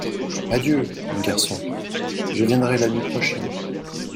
Adieu, mon garçon ; je viendrai la nuit prochaine.